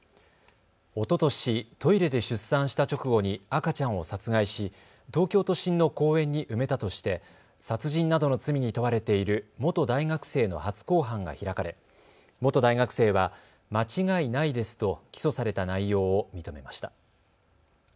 おととし、トイレで出産した直後に赤ちゃんを殺害し東京都心の公園に埋めたとして殺人などの罪に問われている元大学生の初公判が開かれ元大学生は間違いないですと起訴された内容を認めました。